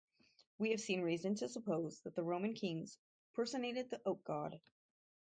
We have seen reason to suppose that the Roman kings personated the oak-god.